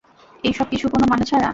এই সব কিছু কোনো মানে ছাড়া?